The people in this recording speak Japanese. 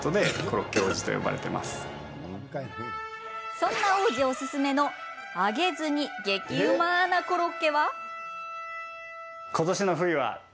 そんな王子おすすめの揚げずに激うまなコロッケは。